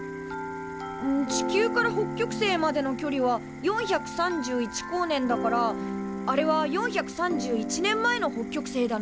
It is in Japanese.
地球から北極星までの距離は４３１光年だからあれは４３１年前の北極星だね。